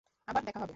আবার দেখা হবে!